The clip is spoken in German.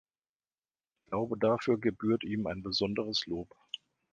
Ich glaube, dafür gebührt ihm ein besonderes Lob.